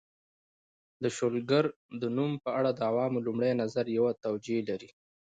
د شلګر د نوم په اړه د عوامو لومړی نظر یوه توجیه لري